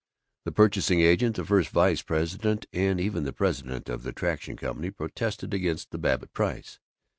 The purchasing agent, the first vice president, and even the president of the Traction Company protested against the Babbitt price.